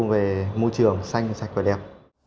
về môi trường xanh sạch và đẹp